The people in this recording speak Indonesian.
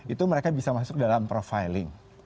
itu mereka bisa masuk dalam profiling